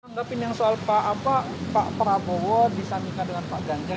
anggapin yang soal pak prabowo disamikan dengan pak ganjar